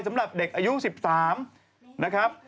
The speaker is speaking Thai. สำหรับเด็กอายุ๑๓นะครับ